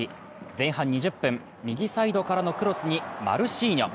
前半２０分、右サイドからのクロスにマルシーニョ。